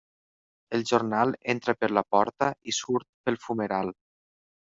El jornal entra per la porta i surt pel fumeral.